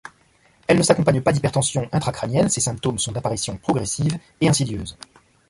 Elle ne s'accompagne pas d'hypertension intracrânienne, ses symptômes sont d'apparition progressive et insidieuse.